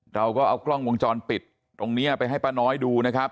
เราก็เอากล้องวงจรปิดตรงนี้ไปให้ป้าน้อยดูนะครับ